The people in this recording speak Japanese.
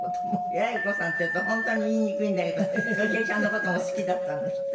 「八重子さん」って言うと本当に言いにくいんだけど好重ちゃんの事も好きだったんですって？